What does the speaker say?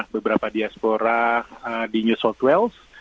beberapa diaspora di new south wales